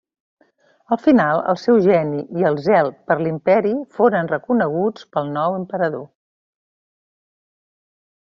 Al final el seu geni i el zel per l'imperi foren reconeguts pel nou emperador.